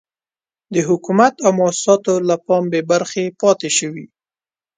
د حکومت او موسساتو له پام بې برخې پاتې شوي.